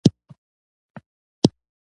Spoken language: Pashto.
و کرنيزو ځمکو د بيا جوړولو لارې چارې ټاکي